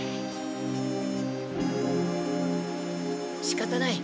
しかたない。